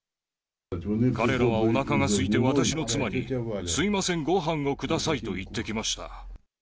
彼らはおなかがすいて私の妻に、すみません、ごはんをくださいと言ってきました。